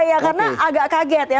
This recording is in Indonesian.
ya karena agak kaget ya